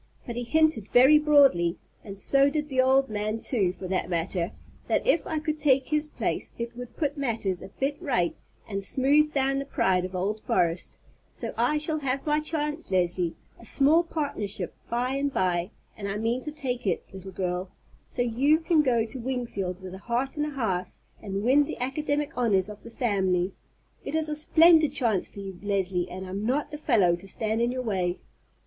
But he hinted very broadly—and so did the old man, too, for that matter—that if I could take his place it would put matters a bit right and smooth down the pride of old Forrest; so I shall have my chance, Leslie—a small partnership by and by; and I mean to take it, little girl, so you can go to Wingfield with a heart and a half, and win the academic honors of the family. It is a splendid chance for you, Leslie, and I'm not the fellow to stand in your way."